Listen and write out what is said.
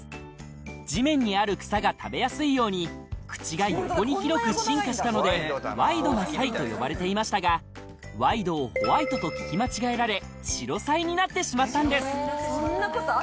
地面にある草が食べやすいように口が横に広く進化したのでワイドなサイと呼ばれていましたがシロサイになってしまったんです